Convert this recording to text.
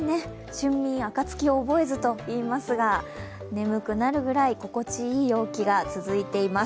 春眠暁を覚えずといいますが、眠くなるくらい心地よい陽気が続いています。